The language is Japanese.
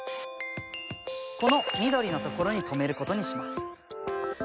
この緑の所に止めることにします。